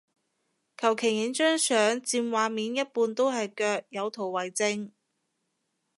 求其影張相佔畫面一半都係腳，有圖為證